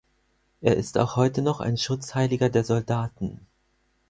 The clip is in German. Er ist auch heute noch ein Schutzheiliger der Soldaten.